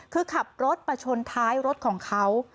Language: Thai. คือขับรถมาชนท้ายรถของเขา